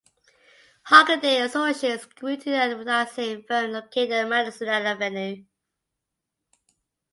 Hockaday Associates grew to an advertising firm located on Madison Avenue.